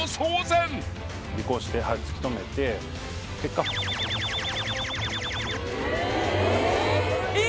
尾行して突き止めて結果。え！？